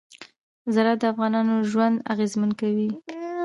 زراعت د افغانانو ژوند اغېزمن کوي.